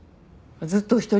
ずっとお一人？